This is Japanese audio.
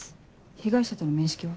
被害者との面識は？